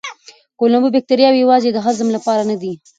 کولمو بکتریاوې یوازې د هضم لپاره نه دي.